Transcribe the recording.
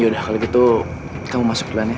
yaudah kalo gitu kamu masuk dulannya ya